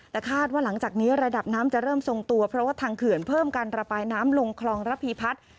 แต่คาดว่าหลังจากนี้ระดับน้ำจะเริ่มทรงตัวเพราะว่าทางเขื่อนเพิ่มการระบายน้ำลงคลองระพีพัฒน์